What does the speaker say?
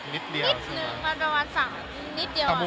นิดเดียว